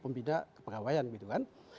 pembina kepegawaian gitu kan